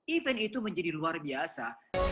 event itu menjadi luar biasa